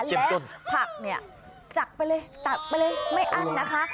เจ้มจนและพักแบบเนี่ยจักไปเลยจักไปเลยไม่อั้นนะคะ